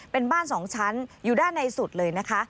เป็นบ้าน๒ชั้นอยู่ด้านในสุดเลยนะคะ